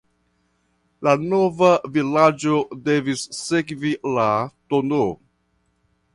La nova vilaĝo devis sekvi la tn.